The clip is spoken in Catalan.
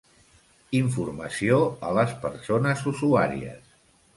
Informació a les persones usuàries.